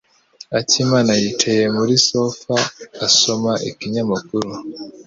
Akimana yicaye kuri sofa, asoma ikinyamakuru.